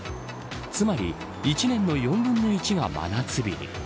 つまり、１年の４分の１が真夏日に。